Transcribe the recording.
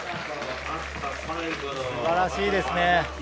素晴らしいですね。